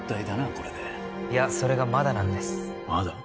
これでいやそれがまだなんですまだ？